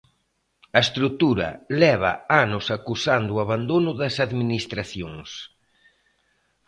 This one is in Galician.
A estrutura leva anos acusando o abandono das administracións.